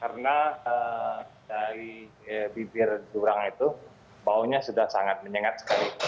karena dari bibir jurang itu baunya sudah sangat menyengat sekali